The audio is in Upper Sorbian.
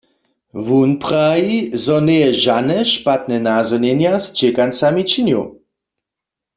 Wón praji, zo njeje žane špatne nazhonjenja z ćěkancami činił.